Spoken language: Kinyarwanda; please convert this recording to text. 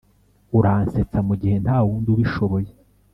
"uransetsa mugihe ntawundi ubishoboye